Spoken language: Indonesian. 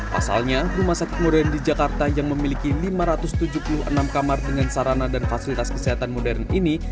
pasalnya rumah sakit modern di jakarta yang memiliki lima ratus tujuh puluh enam kamar dengan sarana dan fasilitas kesehatan modern ini